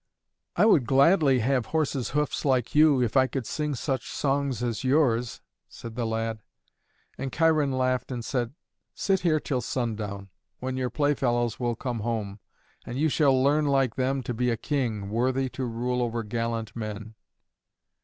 "I would gladly have horse's hoofs like you, if I could sing such songs as yours," said the lad. And Cheiron laughed and said, "Sit here till sundown, when your playfellows will come home, and you shall learn like them to be a king, worthy to rule over gallant men."